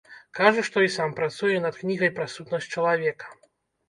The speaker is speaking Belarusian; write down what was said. Кажа, што і сам працуе над кнігай пра сутнасць чалавека.